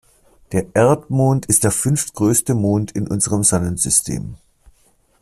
Der Erdmond ist der fünftgrößte Mond in unserem Sonnensystem.